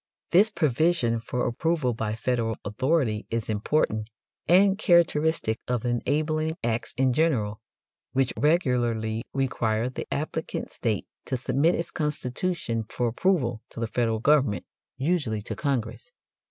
This provision for approval by Federal authority is important and characteristic of enabling acts in general, which regularly require the applicant state to submit its constitution for approval to the Federal government, usually to Congress.